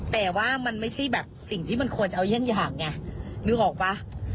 แต่ว่ามันไม่ใช่แบบสิ่งที่มันควรจะเอาเยี่ยงอย่างไงนึกออกป่ะ